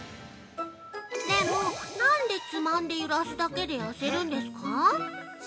でも、なんで、つまんで揺らすだけで痩せるんですか。